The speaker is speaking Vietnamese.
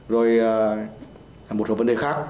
rồi một số vấn đề khác